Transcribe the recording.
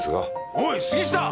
おいっ杉下！